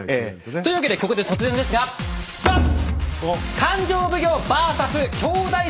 というわけでここで突然ですがバン！